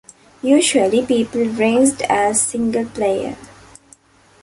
Usually people raced as single player.